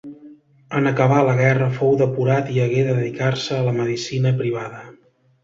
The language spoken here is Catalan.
En acabar la guerra fou depurat i hagué de dedicar-se a la medicina privada.